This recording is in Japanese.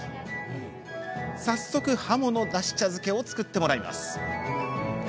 早速ハモのだし茶漬けを作ってもらいます。